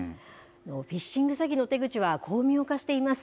フィッシング詐欺の手口は巧妙化しています。